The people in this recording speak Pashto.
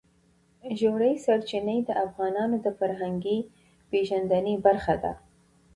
ژورې سرچینې د افغانانو د فرهنګي پیژندنې برخه ده.